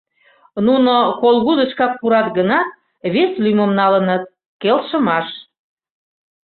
Нуно Колгудышкак пурат гынат, вес лӱмым налыныт: Келшымаш.